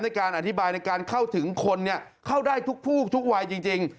ในการอธิบายในการเข้าถึงคนเข้าได้ทุกผู้ทุกวัยจริง